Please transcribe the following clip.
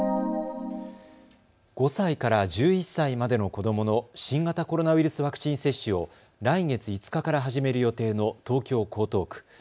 ５歳から１１歳までの子どもの新型コロナウイルスワクチン接種を来月５日から始める予定の東京江東区。